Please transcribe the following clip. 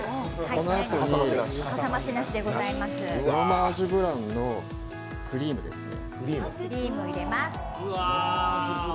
このあとにフロマージュブランのクリームですね。